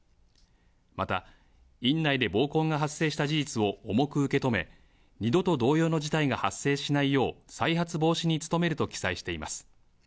また、院内で暴行が発生した事実を重く受け止め、二度と同様の事態が発生しないよう、再発防止に努めると記載しています。